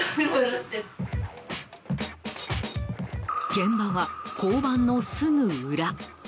現場は交番のすぐ裏。